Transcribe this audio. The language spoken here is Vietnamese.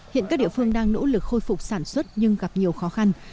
hiện các địa phương đang nỗ lực khôi phục sản xuất nhưng gặp nhiều khó khăn